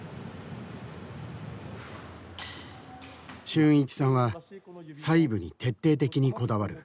春一さんは細部に徹底的にこだわる。